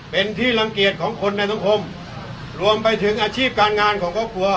เป็นที่รังเกียจของคนในสังคมรวมไปถึงอาชีพการงานของครอบครัว